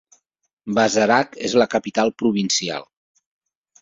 Bazarak és la capital provincial.